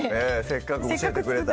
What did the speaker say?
せっかく教えてくれた